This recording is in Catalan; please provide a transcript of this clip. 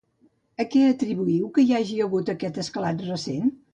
A què atribuïu que hi hagi hagut aquest esclat recent?